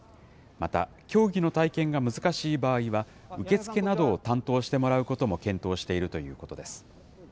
また、競技の体験が難しい場合は、受け付けなどを担当してもらうことも検討しているということです。